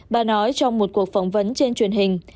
bà nói trong một cuộc phỏng vấn trên truyền hình